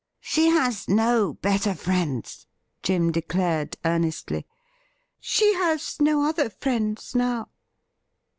' She has no better friends,' Jim declared earnestly. ' She has no other friends now.